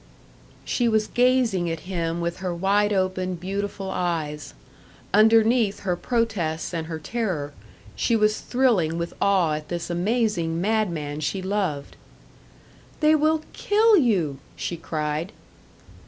She was gazing at him with her wide open, beautiful eyes; underneath her protests and her terror, she was thrilling with awe at this amazing madman she loved. "They will kill you!" she cried.